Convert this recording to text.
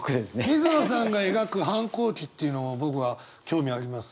水野さんが描く反抗期っていうのは僕は興味あります。